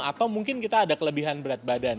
atau mungkin kita ada kelebihan berat badan